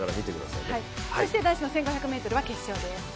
そして男子１５００ｍ決勝です。